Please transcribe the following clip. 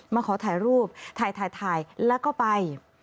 มาขอถ่ายรูปถ่ายถ่ายแล้วก็ไป